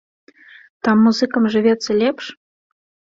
Там музыкам жывецца лепш?